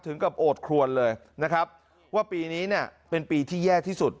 กับโอดครวนเลยนะครับว่าปีนี้เนี่ยเป็นปีที่แย่ที่สุด